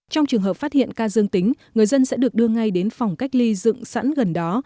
trong trường hợp phát hiện ca dương tính người dân sẽ được đưa ngay đến phòng cách ly dựng sẵn gần đó